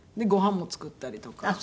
ごはんも作ったりとか。